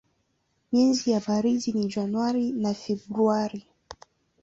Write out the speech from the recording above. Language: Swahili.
Miezi ya baridi ni Januari na Februari.